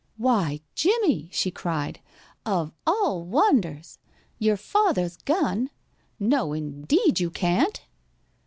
"Why, Jimmie!" she cried. "Of al l wonders! Your father's gun! No indeed you can't!"